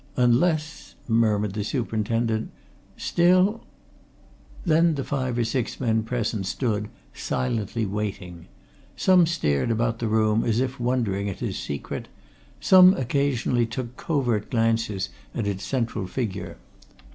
"Unless!" murmured the superintendent. "Still " Then the five or six men present stood, silently waiting. Some stared about the room, as if wondering at its secret: some occasionally took covert glances at its central figure.